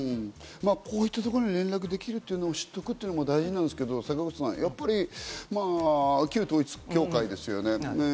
こういった所に連絡できるということを知っておくのも大事なんですけど、坂口さん、旧統一教会ですね。